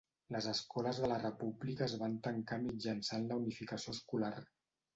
Les escoles de la república és van tancar mitjançant la unificació escolar.